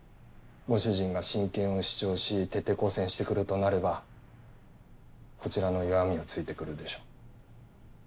ご主人が親権を主張し徹底抗戦してくるとなればこちらの弱みを突いてくるでしょう。